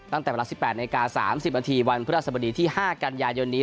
ตั้งแต่เวลา๑๘นาที๓๐นาทีวันพฤหัสบดีที่๕กันยายนนี้